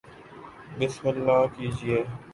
بسم اللہ کیجئے